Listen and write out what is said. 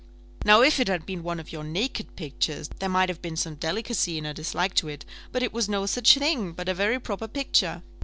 Now if it had been one of your naked pictures, there might have been some delicacy in her dislike to it; but it was no such thing, but a very proper picture.